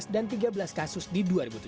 dan tiga belas kasus di dua ribu tujuh belas